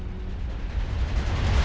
nah kurus bagian join suhu enggak tuh